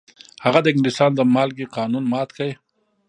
هغه د انګلیسانو د مالګې قانون مات کړ.